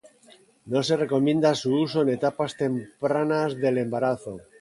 No se recomienda su uso en etapas tempranas del embarazo.